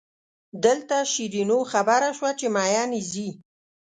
دلته شیرینو خبره شوه چې مئین یې ځي.